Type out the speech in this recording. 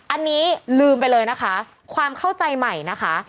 อันนี้ลืมไปเลยนะคะความเข้าใจใหม่นะคะ